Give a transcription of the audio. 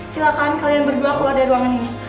silahkan kalian berdua keluar dari ruangan ini